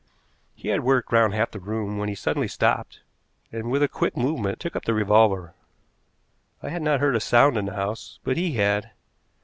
He had worked round half the room when he suddenly stopped, and, with a quick movement, took up the revolver. I had not heard a sound in the house, but he had.